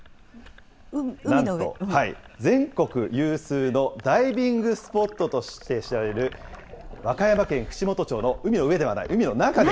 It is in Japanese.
なんと全国有数のダイビングスポットとして知られる、和歌山県串本町の海の上ではない、海の中？